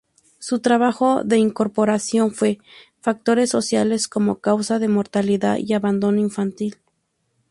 Su trabajo de incorporación fue: "Factores Sociales como Causa de Mortalidad y Abandono Infantil".